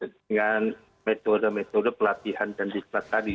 dengan metode metode pelatihan dan diklat tadi